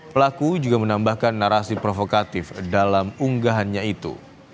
pelaku juga menambahkan narasi provokatif dalam unggahannya itu